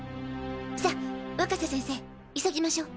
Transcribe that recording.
さ若狭先生急ぎましょ！